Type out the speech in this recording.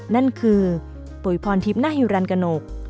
นั่นคือปุ๋ยพรทิพย์นาฮิวรรณกนก